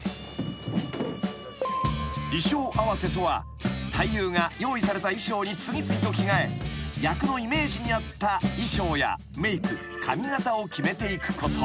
［衣装合わせとは俳優が用意された衣装に次々と着替え役のイメージに合った衣装やメーク髪形を決めていくこと］